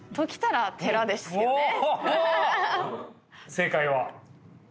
正解は？